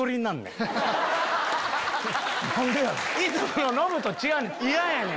いつものノブと違うねん！